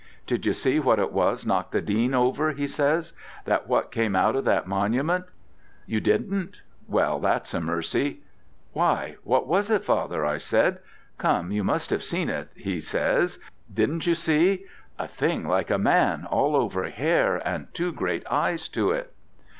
'Did you see what it was knocked the Dean over?' he says, 'that what come out of the monument? You didn't? Well, that's a mercy.' 'Why, what was it, father?' I said. 'Come, you must have seen it,' he says. 'Didn't you see? A thing like a man, all over hair, and two great eyes to it?'